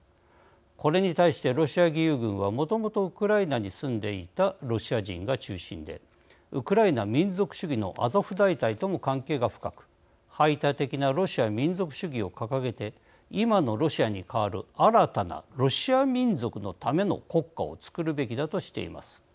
これに対して、ロシア義勇軍はもともとウクライナに住んでいたロシア人が中心でウクライナ民族主義のアゾフ大隊とも関係が深く排他的なロシア民族主義を掲げて今のロシアに代わる新たなロシア民族のための国家を作るべきだとしています。